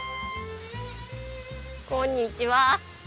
こんにちは。